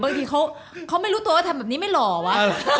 บางทีเขาไม่รู้ตัวว่าทำแบบนี้ไม่หล่อวะ